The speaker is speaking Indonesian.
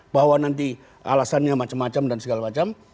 bahwa nanti alasannya macam macam dan segala macam